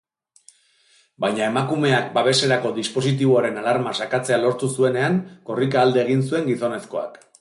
Baina emakumeak babeserako dispositiboaren alarma sakatzea lortu zuenean korrika alde egin zuen gizonezkoak.